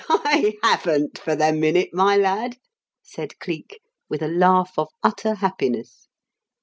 "I haven't for the minute, my lad," said Cleek with a laugh of utter happiness.